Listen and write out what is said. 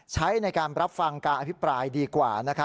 ใช้ในการรับฟังการอภิปรายดีกว่า